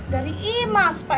dari imas pak rw